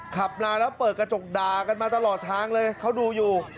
ขับมาแล้วเปิดกระจกด่ากันมาตลอดทางเลยเขาดูอยู่